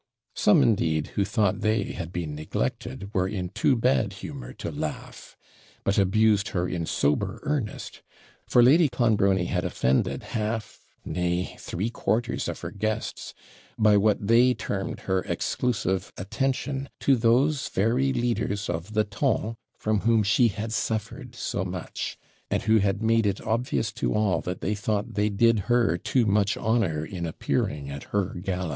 Some, indeed, who thought they had been neglected, were in too bad humour to laugh, but abused her in sober earnest; for Lady Clonbrony had offended half, nay, three quarters of her guests, by what they termed her exclusive attention to those very leaders of the ton, from whom she had suffered so much, and who had made it obvious to all that they thought they did her too much honour in appearing at her gala.